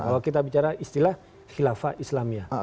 kalau kita bicara istilah khilafah islamia